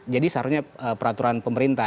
jadi seharusnya peraturan pemerintah